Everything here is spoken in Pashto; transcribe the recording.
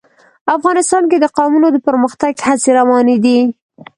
افغانستان کې د قومونه د پرمختګ هڅې روانې دي.